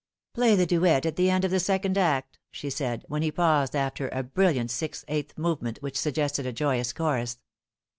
" Play the duet at the end of the second aci," she said, when he paused after a brilliant six eight movement which suggested a joyous chorus.